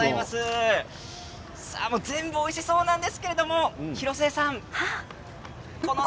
全部おいしそうなんですけど広末さん